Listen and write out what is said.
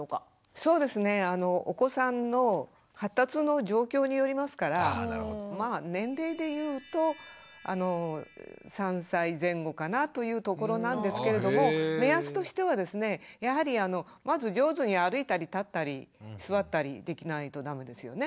そうですねお子さんの発達の状況によりますからまあ年齢で言うと３歳前後かなというところなんですけれども目安としてはですねやはりまず上手に歩いたり立ったり座ったりできないと駄目ですよね。